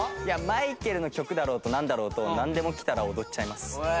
マイケルの曲だろうとなんだろうとなんでも来たら踊っちゃいます。